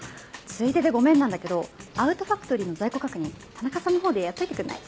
ついででごめんなんだけどアウトファクトリーの在庫確認田中さんのほうでやっといてくれない？